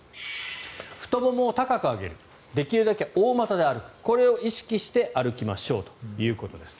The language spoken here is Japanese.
太ももを高く上げるできるだけ大股で歩くこれを意識して歩きましょうということです。